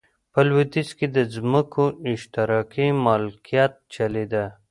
په لوېدیځ کې د ځمکو اشتراکي مالکیت چلېده.